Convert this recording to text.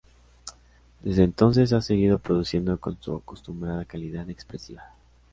Desde entonces ha seguido produciendo con su acostumbrada calidad expresiva.